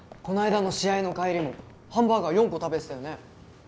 この間の試合の帰りもハンバーガー４個食べてたよね？